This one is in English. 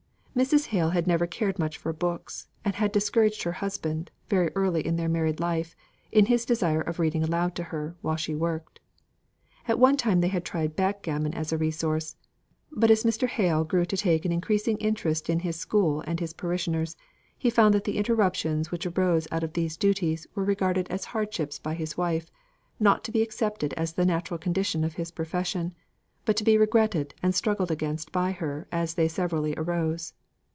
Mrs. Hale had never cared much for books, and had discouraged her husband, very early in their married life, in his desire of reading aloud to her, while she worked. At one time they had tried backgammon as a resource; but as Mr. Hale grew to take an increasing interest in his school and his parishioners, he found that the interruptions which arose out of these duties were regarded as hardships by his wife, not to be accepted as the natural conditions of his profession, but to be regretted and struggled against by her as they severally arose.